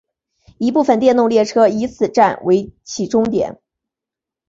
一部分电动列车以此站为起终点。